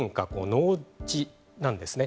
農地なんですね